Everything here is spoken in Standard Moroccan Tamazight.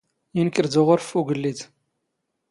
ⵉⵏⴽⵔ ⴷ ⵓⵖⵔⴼ ⴼ ⵓⴳⵍⵍⵉⴷ.